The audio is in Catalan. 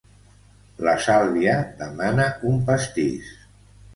La Sàlvia demana un Pastís.